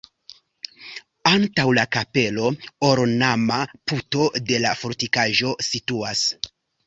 Antaŭ la kapelo ornama puto de la fortikaĵo situas.